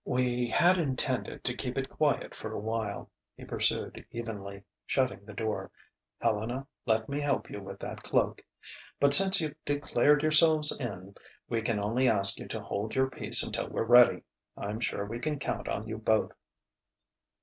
"We had intended to keep it quiet for a while," he pursued evenly, shutting the door.... "Helena, let me help you with that cloak.... But since you've declared yourselves in, we can only ask you to hold your peace until we're ready. I'm sure we can count on you both."